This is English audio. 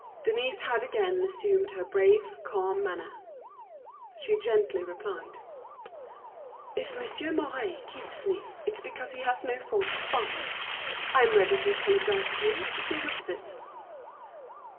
Denise had again assumed her brave, calm manner. She gently replied: "If Monsieur Mouret keeps me, it's because he has no fault to find. I am ready to apologize to you, if he wishes it."